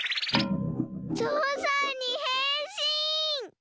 ぞうさんにへんしん！